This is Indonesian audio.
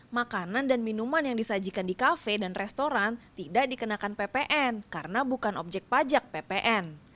makanan dan minuman yang disajikan di kafe dan restoran tidak dikenakan ppn karena bukan objek pajak ppn